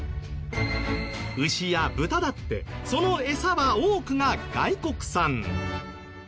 牛や豚だってそのエサは多くが外国産。